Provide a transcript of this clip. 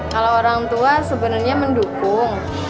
kalau orang tua sebenarnya mendukung